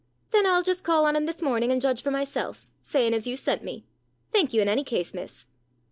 "Then I'll just call on him this morning and judge for myself, saying as you sent me. Thank you, in any case, miss."